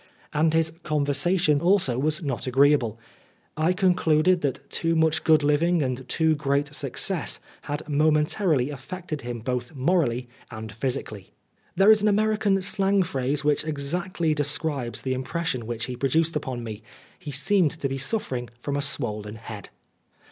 And his conversation also was not agreeable. I concluded that too much good living and too great success had momentarily affected him both morally and physically. There is an American slang phrase which exactly describes the impression which he produced upon me. He seemed to be suffering from a swollen head!